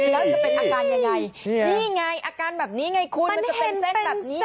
แล้วจะเป็นอาการยังไงนี่ไงอาการแบบนี้ไงคุณมันจะเป็นเส้นแบบนี้